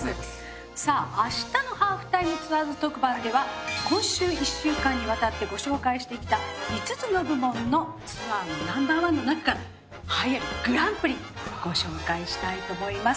さあ明日の『ハーフタイムツアーズ』特番では今週１週間にわたってご紹介してきた５つの部門のツアーのＮｏ．１のなかから栄えあるグランプリご紹介したいと思います。